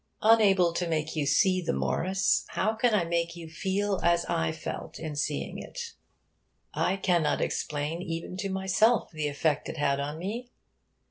Unable to make you see the Morris, how can I make you feel as I felt in seeing it? I cannot explain even to myself the effect it had on me.